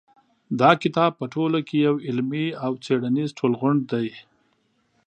دا کتاب په ټوله کې یو علمي او څېړنیز ټولغونډ دی.